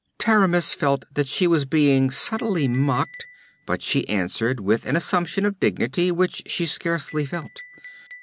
Taramis felt that she was being subtly mocked, but she answered with an assumption of dignity which she scarcely felt.